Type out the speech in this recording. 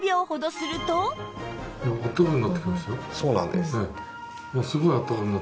そうなんです。